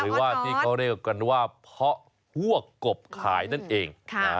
หรือว่าที่เขาเรียกกันว่าเพาะพวกกบขายนั่นเอง